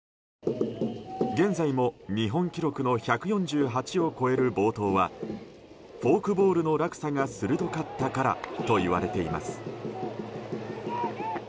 現在も、日本記録の１４８を超える暴投はフォークボールの落差が鋭かったからといわれています。